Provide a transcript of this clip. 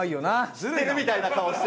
知ってるみたいな顔して！